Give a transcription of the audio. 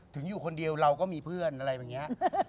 อยู่คนเดียวเราก็มีเพื่อนอะไรแบบนี้